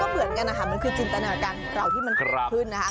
มันก็เหมือนกันมันคือจินตนาการเราที่มันขึ้น